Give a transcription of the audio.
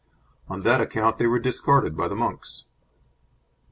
On that account they were discarded by the monks.